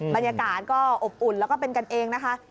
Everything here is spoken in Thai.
บรรยากาศก็อบอุ่นแล้วก็เป็นกันเองนะคะ